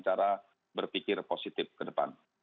cara berpikir positif ke depan